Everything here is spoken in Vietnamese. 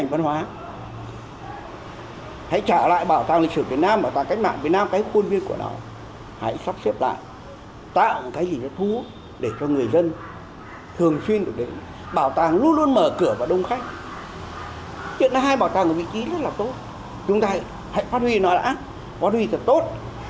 chúng ta hãy phát huy nó đã phát huy thật tốt